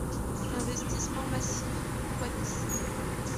Investissements massifs, fois dix.